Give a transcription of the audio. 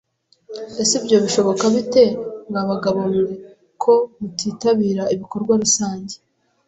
Ese ibyo bishoboka bite mwa bagabo mwe ko mutitabira ibikorwa rusage